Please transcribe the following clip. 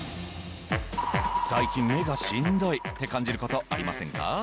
最近目がしんどいって感じる事ありませんか？